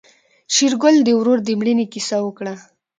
شېرګل د ورور د مړينې کيسه وکړه.